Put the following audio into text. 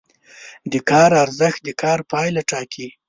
د کار ارزښت د کار پایله ټاکي.